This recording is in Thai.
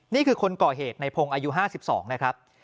นี่คือคนก่อเหตุในพงศ์อายุ๕๒นะครับ